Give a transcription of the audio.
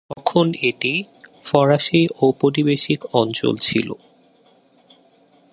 তখন এটি ফরাসি ঔপনিবেশিক অঞ্চল ছিল।